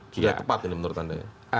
tidak tepat ini menurut anda ya